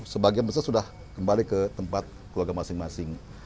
sebagian besar sudah kembali ke tempat keluarga masing masing